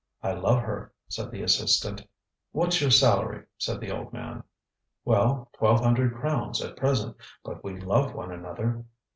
ŌĆ£I love her, ŌĆØ said the assistant. ŌĆ£WhatŌĆÖs your salary? ŌĆØ said the old man. ŌĆ£Well, twelve hundred crowns, at present; but we love one another....